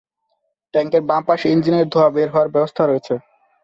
ট্যাংকের বাম পাশে ইঞ্জিনের ধোয়া বের হওয়ার ব্যবস্থা রয়েছে।